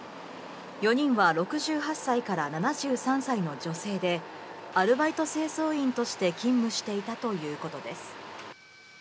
４人は６８歳から７３歳の女性で、アルバイト清掃員として勤務していたということです。